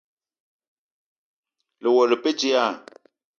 Lewela le pe dilaah?